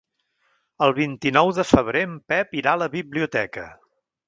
El vint-i-nou de febrer en Pep irà a la biblioteca.